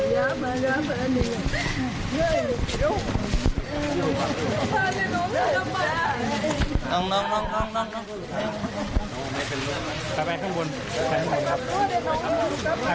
อย่ามาขอบใจทุกคนนะครับ